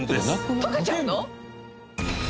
溶けちゃうの？